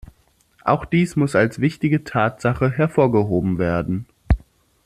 Auch dies muss als wichtige Tatsache hervorgehoben werden.